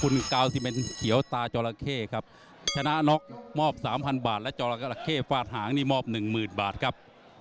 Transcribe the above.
และจอรักเทฝาดหางนี่มอบ๑๐๐๐๐บาทครับ